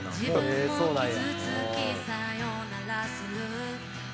「へえーそうなんや」